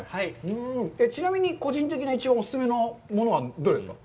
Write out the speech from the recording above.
ちなみに個人的に一番お勧めのものもどれですか？